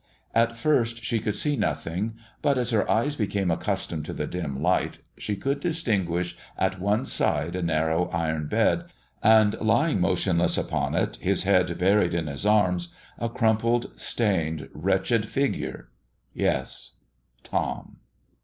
At first she could see nothing, but, as her eyes became accustomed to the dim light, she could distinguish at one side a narrow iron bed, and lying motionless upon it, his head buried in his arms, a crumpled, stained, wretched figure yes, Tom!